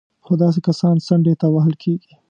خو داسې کسان څنډې ته وهل کېږي